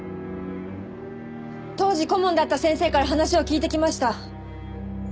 当時顧問だった先生から話を聞いてきました。